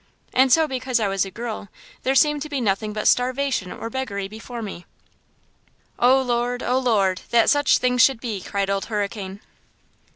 And so because I was a girl there seemed to be nothing but starvation or beggary before me!" "Oh, Lord! oh, Lord! that such things should be!" cried Old Hurricane.